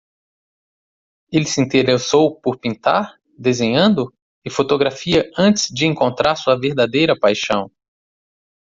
Ele se interessou por pintar? desenhando? e fotografia antes de encontrar sua verdadeira paixão.